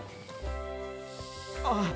あっ！